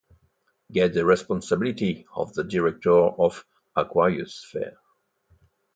Get the responsibility of the director of Aquarius Fair.